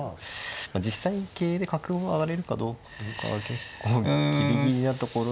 実際桂で角を上がれるかどうかは結構ギリギリなところ。